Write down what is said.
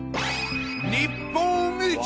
日本一！